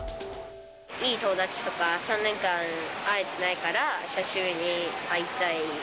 いい友達とか３年間会えてないから、久しぶりに会いたい。